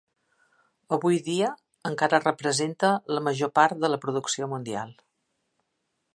Avui dia, encara representa la major part de la producció mundial.